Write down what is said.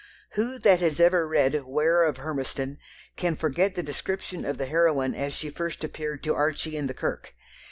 Who that has ever read Weir of Hermiston can forget the description of the heroine as she first appeared to Archie in the kirk?